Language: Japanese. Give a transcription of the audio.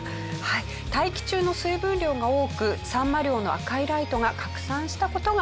大気中の水分量が多くサンマ漁の赤いライトが拡散した事が理由のようです。